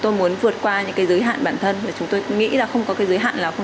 tôi muốn vượt qua những cái giới hạn bản thân và chúng tôi nghĩ là không có cái giới hạn nào không